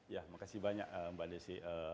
ya makasih banyak mbak desi